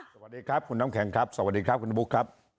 สวัสดีครับคุณน้ำแข็งครับสวัสดีครับคุณบุ๊คครับ